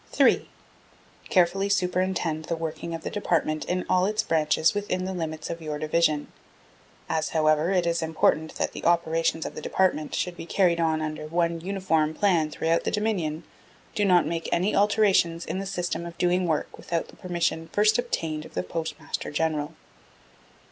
3. Carefully superintend the working of the Department in all its branches within the limits of your Division. As however, it is important, that the operations of the Department should be carried on under one uniform plan throughout the Dominion, do not make any alterations in the system of doing the work without the permission first obtained of the Postmaster General.